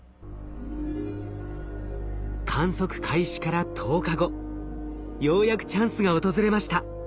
観測開始から１０日後ようやくチャンスが訪れました。